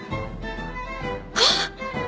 あっ！